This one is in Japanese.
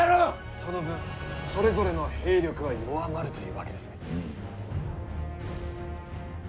その分それぞれの兵力は弱まるというわけですね。